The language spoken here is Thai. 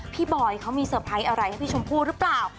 บอยเขามีเตอร์ไพรส์อะไรให้พี่ชมพู่หรือเปล่า